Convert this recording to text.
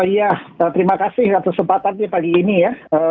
ya terima kasih atas kesempatan di pagi ini ya